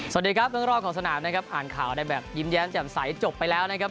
สวัสดีครับเรื่องรอบของสนามนะครับอ่านข่าวได้แบบยิ้มแย้มแจ่มใสจบไปแล้วนะครับ